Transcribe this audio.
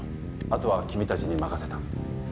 あとは君たちに任せた。